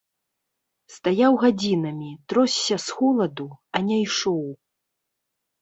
Стаяў гадзінамі, тросся з холаду, а не ішоў.